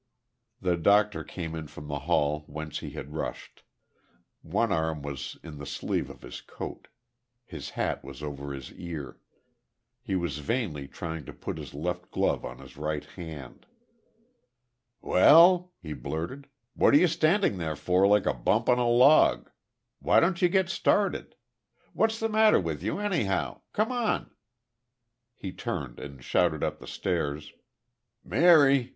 The doctor came in from the hall whence he had rushed. One arm was in the sleeve of his coat. His hat was over his ear. He was vainly trying to put his left glove on his right hand. "Well?" he blurted, "what are you standing there for like a bump on a log? Why don't you get started? What's the matter with you, anyhow? Come on!" He turned, and shouted up the stairs: "Mary!